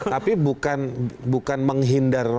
tapi bukan menghindar